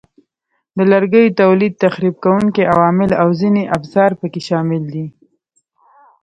د لرګیو تولید، تخریب کوونکي عوامل او ځینې افزار پکې شامل دي.